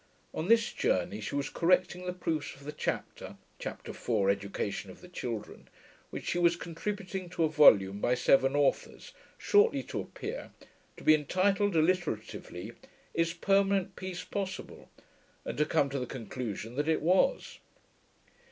On this journey she was correcting the proofs of the chapter (Chapter IV., Education of the Children) which she was contributing to a volume by seven authors, shortly to appear, to be entitled alliteratively Is Permanent Peace Possible? and to come to the conclusion that it was.